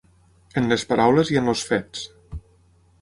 En les paraules i en els fets.